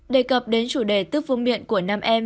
đề cập đến chủ đề tức vương miện của nam em